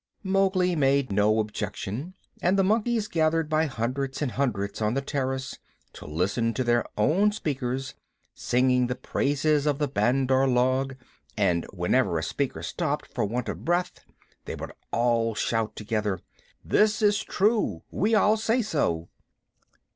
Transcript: Mowgli made no objection, and the monkeys gathered by hundreds and hundreds on the terrace to listen to their own speakers singing the praises of the Bandar log, and whenever a speaker stopped for want of breath they would all shout together: "This is true; we all say so."